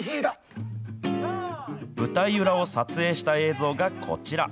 舞台裏を撮影した映像がこちら。